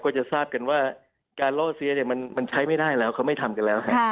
จะทราบกันว่าการล่อเสียมันใช้ไม่ได้แล้วเขาไม่ทำกันแล้ว